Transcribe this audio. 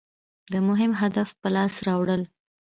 د مهم هدف په لاس راوړل.